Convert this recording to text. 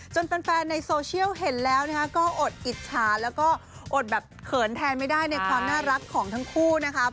แฟนในโซเชียลเห็นแล้วก็อดอิจฉาแล้วก็อดแบบเขินแทนไม่ได้ในความน่ารักของทั้งคู่นะครับ